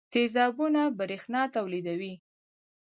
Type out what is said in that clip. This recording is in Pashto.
تیزابونه برېښنا تولیدوي.